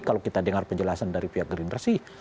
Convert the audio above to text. kalau kita dengar penjelasan dari pihak green presi